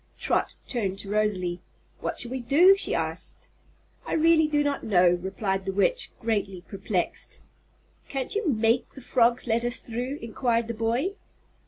Trot turned to Rosalie. "What shall we do?" she asked. "I really do not know," replied the Witch, greatly perplexed. "Can't you make the frogs let us through?" inquired the boy.